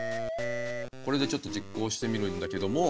これでちょっと実行してみるんだけども。